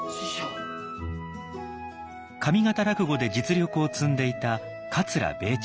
上方落語で実力を積んでいた桂米朝。